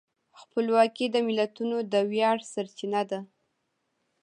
خپلواکي د ملتونو د ویاړ سرچینه ده.